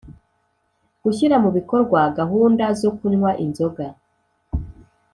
Gushyira mu bikorwa gahunda zo kunywa inzoga